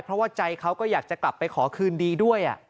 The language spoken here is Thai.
เพราะว่าใจเขาก็อยากจะกลับไปขอคืนดีด้วย